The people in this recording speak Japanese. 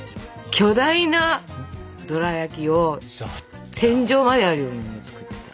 巨大なドラやきを天井まであるようなの作ってた。